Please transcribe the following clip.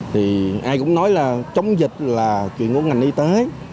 thì ai cũng nói là chống dịch là chuyện của ngành y tế